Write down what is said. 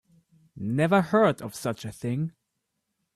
Never heard of such a thing.